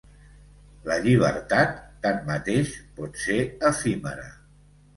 La llibertat, tanmateix, potser efímera.